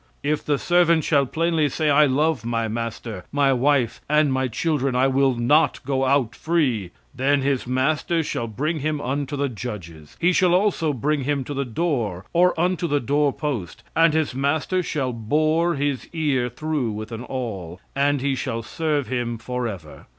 "And if the servant shall plainly say, I love my master, my wife, and my children; I will not go out free. "Then his master shall bring him unto the judges; he shall also bring him to the door, or unto the door post; and his master shall bore his ear through with an awl; and he shall serve him forever."